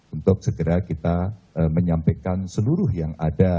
untuk segera kita menyampaikan seluruh yang ada